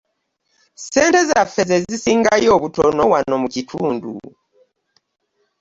Ssente zaffe ze zisingayo obutono wano mu kitundu.